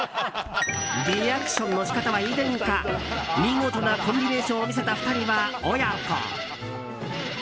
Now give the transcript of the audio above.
リアクションの仕方は遺伝か見事なコンビネーションを見せた２人は親子。